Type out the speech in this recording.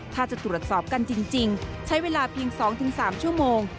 ถ้าจะตรวจสอบกันจริงใช้เวลาเพียง๒๓ชั่วโมง